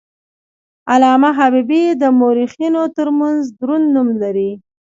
علامه حبیبي د مورخینو ترمنځ دروند نوم لري.